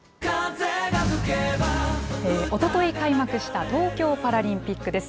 おととい開幕した東京パラリンピックです。